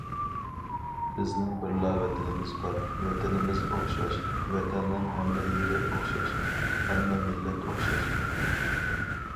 بىزنىڭ بىرلا ۋەتىنىمىز بار، ۋەتىنىمىز ئوخشاش، ۋەتەننىڭ ھەممە يېرى ئوخشاش، ھەممە مىللەت ئوخشاش.